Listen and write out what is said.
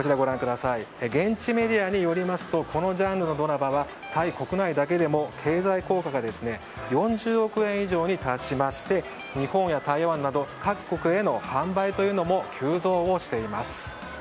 現地メディアによりますとこのジャンルのドラマはタイ国内だけでも経済効果が４０億円以上に達しまして日本や台湾など各国への販売も急増しています。